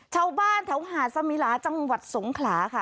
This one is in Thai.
ชาวบ้านแถวหาดสมิลาจังหวัดสงขลาค่ะ